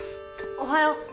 おはよう。